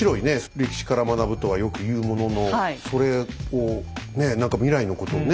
歴史から学ぶとはよく言うもののそれをねえ何か未来のことをね